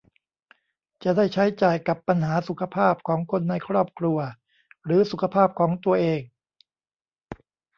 จะได้ใช้จ่ายกับปัญหาสุขภาพของคนในครอบครัวหรือสุขภาพของตัวเอง